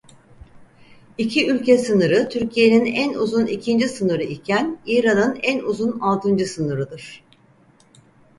İki ülke sınırı Türkiye'nin en uzun ikinci sınırı iken İran'ın en uzun altıncı sınırıdır.